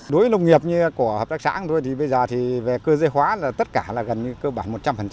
đối với nông nghiệp của hợp tác xã bây giờ về cơ giới hóa tất cả gần như cơ bản một trăm linh